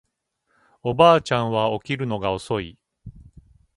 おばあちゃんは起きるのが遅い